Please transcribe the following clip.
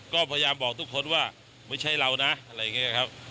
ก็พยายามบอกทุกคนว่าไม่ใช่เรานะอะไรอย่างนี้ครับ